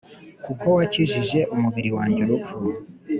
Kuko wakijije umubiri wanjye urupfu